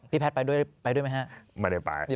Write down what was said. พี่แพทย์ไปด้วยไหมฮะ